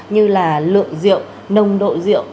như là lượng rượu nồng độ rượu